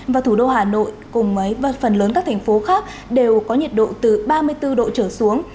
và thủ đô hà nội cùng phần lớn các thành phố khác đều có nhiệt độ từ ba mươi bốn độ trở xuống